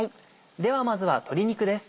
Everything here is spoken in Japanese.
ではまずは鶏肉です。